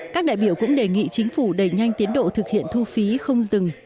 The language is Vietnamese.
các đại biểu cũng đề nghị chính phủ đẩy nhanh tiến độ thực hiện thu phí không dừng